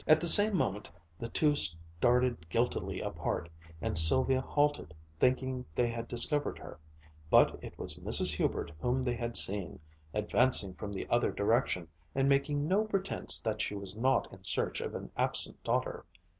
At the same moment the two started guiltily apart, and Sylvia halted, thinking they had discovered her. But it was Mrs. Hubert whom they had seen, advancing from the other direction, and making no pretense that she was not in search of an absent daughter.